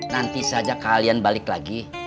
nanti saja kalian balik lagi